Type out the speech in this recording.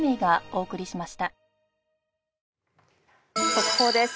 速報です。